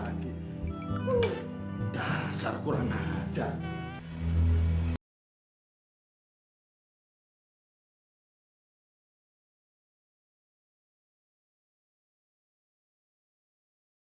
pokoknya kerja kita malem ini